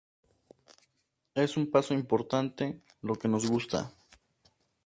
Es un paso importante, lo que nos gusta.